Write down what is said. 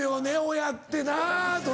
親ってな。